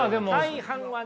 大半はね。